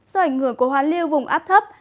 do ảnh hưởng của hoa lưu vùng áp thấp